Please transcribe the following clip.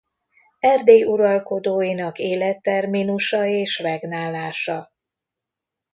Erdély uralkodóinak életterminusa és regnálása